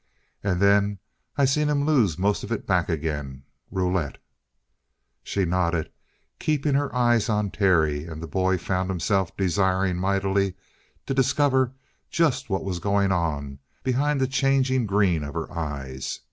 "And then I seen him lose most of it back again. Roulette." She nodded, keeping her eyes on Terry, and the boy found himself desiring mightily to discover just what was going on behind the changing green of her eyes.